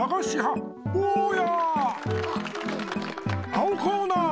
青コーナー！